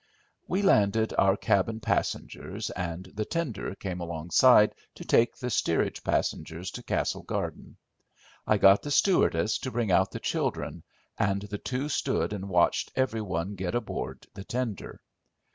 We landed our cabin passengers, and the tender came alongside to take the steerage passengers to Castle Garden. I got the stewardess to bring out the children, and the two stood and watched every one get aboard the tender.